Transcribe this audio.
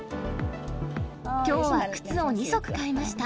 きょうは靴を２足買いました。